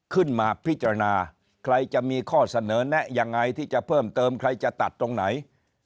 ขึ้นมาพิจารณาใครจะมีข้อเสนอแนะยังไงที่จะเพิ่มเติมใครจะตัดตรงไหน